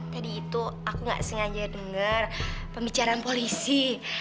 tadi itu aku nggak sengaja dengar pembicaraan polisi